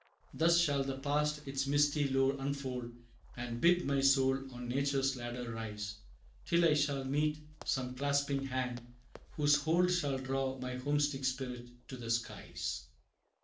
Thus shall the past its misty lore unfold, And bid my soul on nature's ladder rise, Till I shall meet some clasping hand, whose hold Shall draw my homesick spirit to the skies.